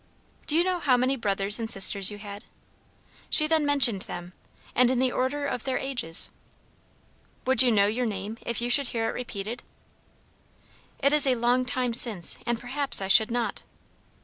"Do you know how many brothers and sisters you had?" She then mentioned them, and in the order of their ages. "Would you know your name if you should hear it repeated?" "It is a long time since, and perhaps I should not."